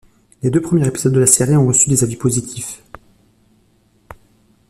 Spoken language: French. Les deux premiers épisodes de la série ont reçu des avis positifs.